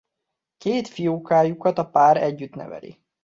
Két fiókájukat a pár együtt neveli.